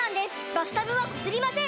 バスタブはこすりません！